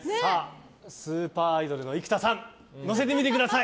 スーパーアイドルの生田さんはかりに載せてみてください。